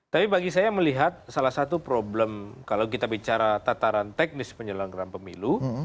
tapi bagi saya melihat salah satu problem kalau kita bicara tataran teknis penyelenggaraan pemilu